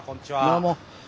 どうも。